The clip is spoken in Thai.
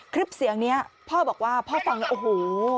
คลิปเสียงนี้พ่อบอกว่าพ่อฟังแล้วโอ้โห